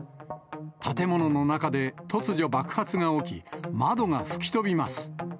建物の中で突如、爆発が起き、窓が吹き飛びます。